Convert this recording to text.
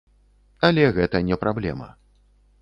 Але гэта не праблема.